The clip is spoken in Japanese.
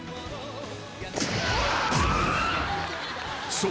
［そう。